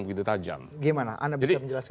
begitu tajam gimana anda bisa menjelaskan